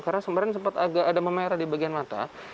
karena sempat agak ada memerah di bagian mata